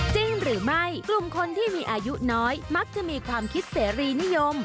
จริงหรือไม่กลุ่มคนที่มีอายุน้อยมักจะมีความคิดเสรีนิยม